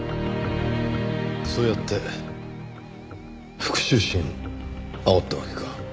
そうやって復讐心を煽ったわけか。